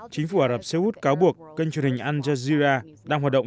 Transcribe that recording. chính phủ ả rập xê út cáo buộc kênh truyền hình al jazeera đang hoạt động